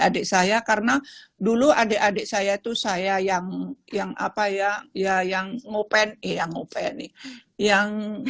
adik saya karena dulu adik adik saya itu saya yang yang apa ya ya yang ngopen eh yang ngopen nih yang